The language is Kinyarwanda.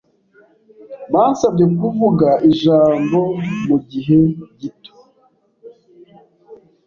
Bansabye kuvuga ijambo mugihe gito.